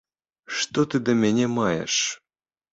Што ты да мяне маеш?